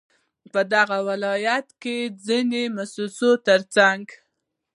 په دغه ولايت كې د ځينو مؤسسو ترڅنگ